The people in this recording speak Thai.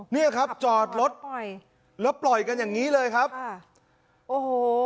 เนี่ยครับจอดรถแล้วปล่อยกันอย่างงี้เลยครับค่ะโอ้โห